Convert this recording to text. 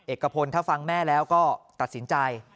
เอกพลถ้าฟังแม่แล้วก็ตัดสินใจ